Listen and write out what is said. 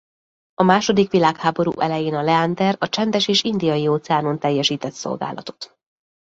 A második világháború elején a Leander a Csendes- és Indiai-óceánon teljesített szolgálatot.